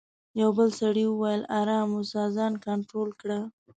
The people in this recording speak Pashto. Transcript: یوه بل سړي وویل: آرام اوسه، ځان کنټرول کړه.